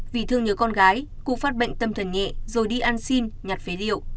vì thương nhớ con gái cô phát bệnh tâm thần nhẹ rồi đi ăn xin nhặt phế liệu